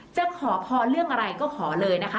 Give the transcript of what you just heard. จะขอพรเรื่องอะไรก็ขอเลยนะคะ